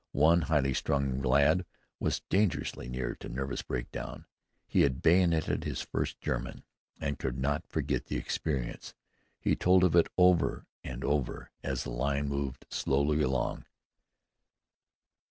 One highly strung lad was dangerously near to nervous breakdown. He had bayoneted his first German and could not forget the experience. He told of it over and over as the line moved slowly along.